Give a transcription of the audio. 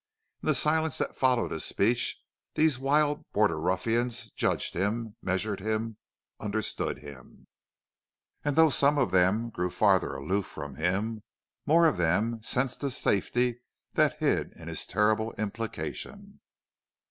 In the silence that followed his speech these wild border ruffians judged him, measured him, understood him, and though some of them grew farther aloof from him, more of them sensed the safety that hid in his terrible implication.